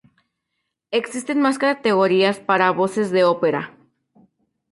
Existen más categorías para voces de ópera.